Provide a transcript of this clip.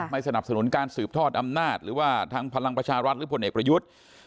สนับสนุนการสืบทอดอำนาจหรือว่าทางพลังประชารัฐหรือพลเอกประยุทธ์